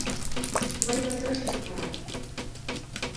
Шулай ҙа тырышып ҡара.